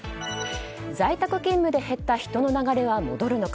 在宅勤務で減った人の流れは戻るのか。